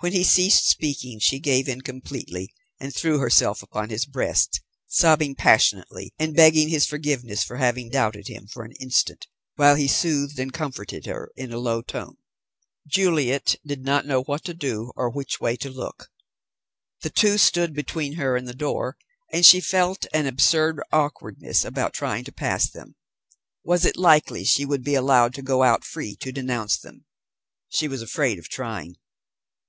When he ceased speaking, she gave in completely, and threw herself upon his breast, sobbing passionately, and begging his forgiveness for having doubted him for an instant, while he soothed and comforted her in a low tone. Juliet did not know what to do or which way to look. The two stood between her and the door, and she felt an absurd awkwardness about trying to pass them. Was it likely she would be allowed to go out free to denounce them? She was afraid of trying.